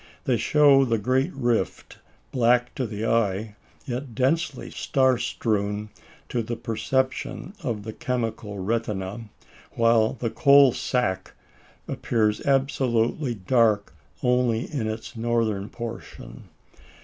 They show the great rift, black to the eye, yet densely star strewn to the perception of the chemical retina; while the "Coal sack" appears absolutely dark only in its northern portion.